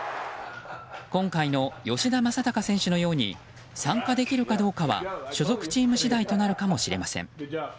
今回の吉田正尚選手のように参加できるかどうかは所属チーム次第となるかもしれません。